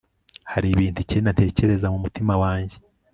hari ibintu icyenda ntekereza mu mutima wanjye